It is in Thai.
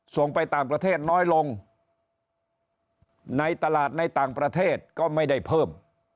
ส่งไปต่างประเทศน้อยลงในตลาดในต่างประเทศก็ไม่ได้เพิ่ม